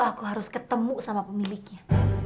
aku harus ketemu sama pemiliknya